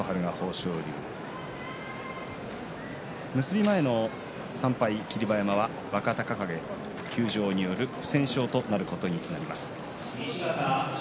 結び前の３敗霧馬山は若隆景の休場による不戦勝となります。